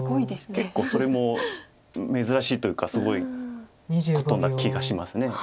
結構それも珍しいというかすごいことな気がします。